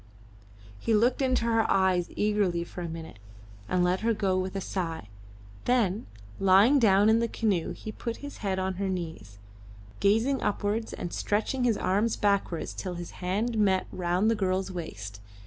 He looked into her eyes eagerly for a minute and let her go with a sigh, then lying down in the canoe he put his head on her knees, gazing upwards and stretching his arms backwards till his hands met round the girl's waist.